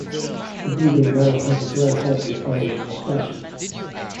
The breeding male has a grey head with orange moustaches.